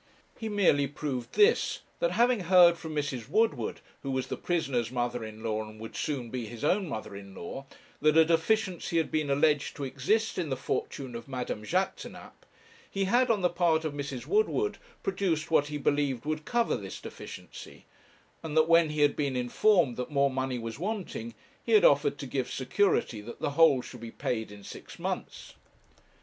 He merely proved this, that having heard from Mrs. Woodward, who was the prisoner's mother in law, and would soon be his own mother in law, that a deficiency had been alleged to exist in the fortune of Madame Jaquêtanàpe, he had, on the part of Mrs. Woodward, produced what he believed would cover this deficiency, and that when he had been informed that more money was wanting, he had offered to give security that the whole should be paid in six months.